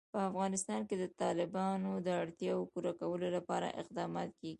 په افغانستان کې د تالابونه د اړتیاوو پوره کولو لپاره اقدامات کېږي.